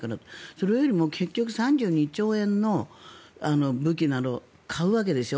それよりも結局３２兆円の武器など、買うわけでしょ